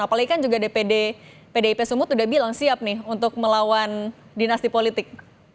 apalagi kan juga dpd pdip sumut udah bilang siap nih untuk melawan dinasti politik